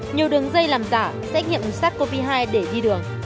nhiều đường dây làm giả sẽ nghiệm sát covid một mươi chín để đi đường